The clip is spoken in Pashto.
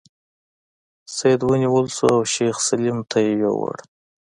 سید ونیول شو او شیخ سلیم ته یې یووړ.